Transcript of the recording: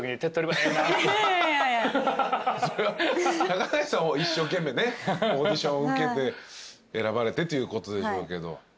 高梨さんは一生懸命ねオーディション受けて選ばれてっていうことでしょうけど。